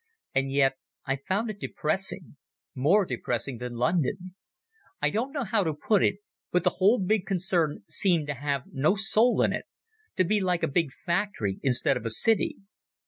And yet I found it depressing—more depressing than London. I don't know how to put it, but the whole big concern seemed to have no soul in it, to be like a big factory instead of a city.